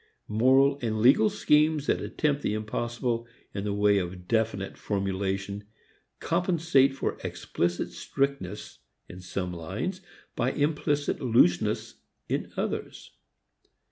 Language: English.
Moral and legal schemes that attempt the impossible in the way of definite formulation compensate for explicit strictness in some lines by implicit looseness in others.